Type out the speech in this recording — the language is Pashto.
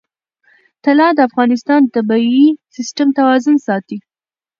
طلا د افغانستان د طبعي سیسټم توازن ساتي.